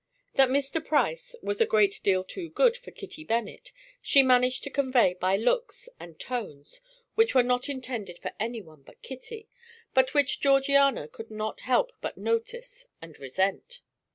That Mr. Price was a great deal too good for Kitty Bennet she managed to convey by looks and tones which were not intended for anyone but Kitty, but which Georgiana could not help but notice and resent.